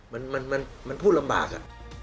มันมันมันมันพูดลำบากอ่ะ